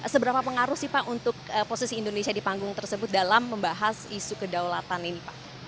seberapa pengaruh sih pak untuk posisi indonesia di panggung tersebut dalam membahas isu kedaulatan ini pak